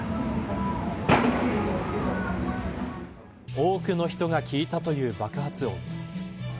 多くの人が聞いたという爆発音。